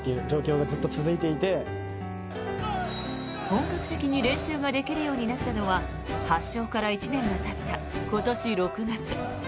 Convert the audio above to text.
本格的に練習ができるようになったのは発症から１年がたった今年６月。